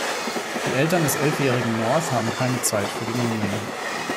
Die Eltern des elfjährigen North haben keine Zeit für den Jungen.